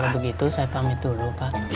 begitu saya pamit dulu pak